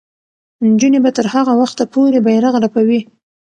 نجونې به تر هغه وخته پورې بیرغ رپوي.